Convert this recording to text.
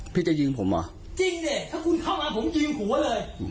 จะยิงผมเหรอจริงสิถ้าคุณเข้ามาผมยิงหัวเลย